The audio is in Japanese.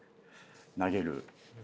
投げる。